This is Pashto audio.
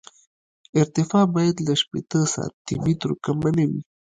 ارتفاع باید له شپېته سانتي مترو کمه نه وي